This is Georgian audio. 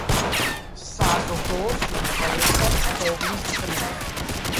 საზრდოობს უმთავრესად თოვლის წყლით.